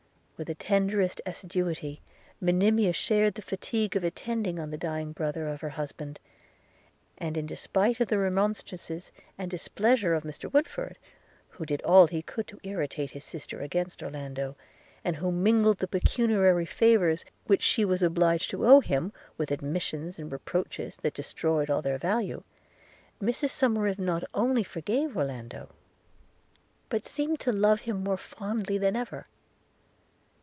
With the tenderest assiduity, Monimia shared the fatigue of attending on the dying brother of her husband; and in despite of the remonstrances and displeasure of Mr Woodford, who did all he could to irritate his sister against Orlando, and who mingled the pecuniary favours which she was obliged to owe him, with admonitions and reproaches that destroyed all their value, Mrs Somerive not only forgave Orlando, but seemed to love him more fondly than ever.